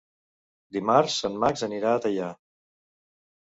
Dimarts en Max anirà a Teià.